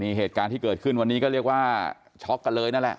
นี่เหตุการณ์ที่เกิดขึ้นวันนี้ก็เรียกว่าช็อกกันเลยนั่นแหละ